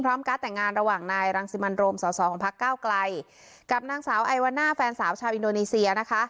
การ์ดแต่งงานระหว่างนายรังสิมันโรมสอสอของพักเก้าไกลกับนางสาวไอวาน่าแฟนสาวชาวอินโดนีเซียนะคะ